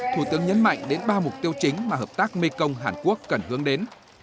thủ tướng nhấn mạnh đến ba mục tiêu chính mà hợp tác mekong hàn quốc cần hướng đến